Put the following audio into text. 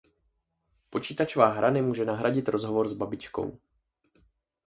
Počítačová hra nemůže nahradit rozhovor s babičkou.